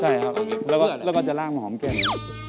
ใช่ครับแล้วก็จะล่างหอมแก้ม